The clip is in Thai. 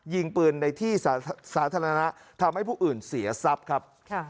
ยิงปืนในที่สาธารณะทำให้ผู้อื่นเสียทรัพย์ครับ